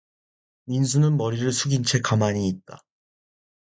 민수는 머리를 숙인 채 가만히 있다.